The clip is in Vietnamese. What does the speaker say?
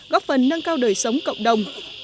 góp phần nâng cao đời sống cộng đồng